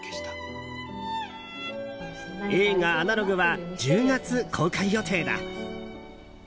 映画「アナログ」は１０月公開予定だ。